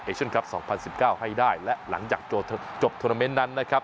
เช่นครับ๒๐๑๙ให้ได้และหลังจากจบโทรนาเมนต์นั้นนะครับ